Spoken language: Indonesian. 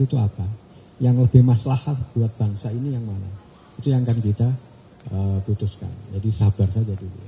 itu apa yang lebih masalah buat bangsa ini yang mana itu yang akan kita putuskan jadi sabar saja dulu